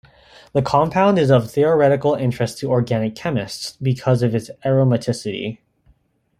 The compound is of theoretical interest to organic chemists because of its aromaticity.